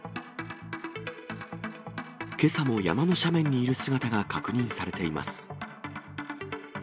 けさも山の斜面にいる姿が確認されています。